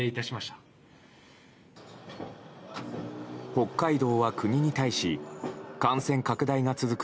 北海道は国に対し感染拡大が続く